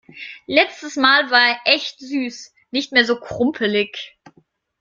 Letztes mal war er echt süß. Nicht mehr so krumpelig.